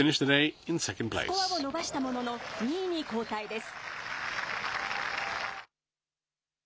スコアを伸ばしたものの２位に後退です。